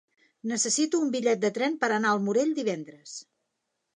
Necessito un bitllet de tren per anar al Morell divendres.